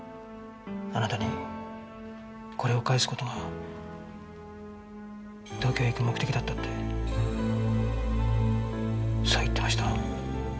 あなたにこれを返す事が東京へ行く目的だったってそう言ってました。